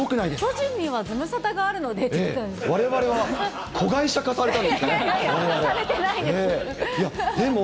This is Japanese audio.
巨人にはズムサタがあるのでわれわれは子会社化されたんされてないです。